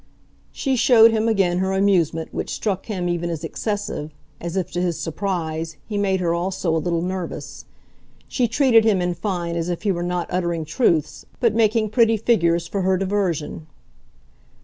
She showed him again her amusement, which struck him even as excessive, as if, to his surprise, he made her also a little nervous; she treated him in fine as if he were not uttering truths, but making pretty figures for her diversion.